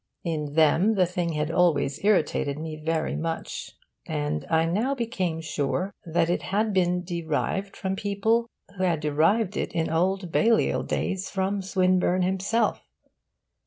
In them the thing had always irritated me very much; and I now became sure that it had been derived from people who had derived it in old Balliol days from Swinburne himself.